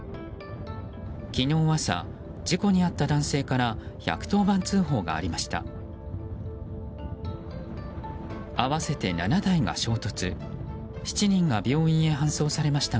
昨日朝、事故に遭った男性から１１０番通報がありました。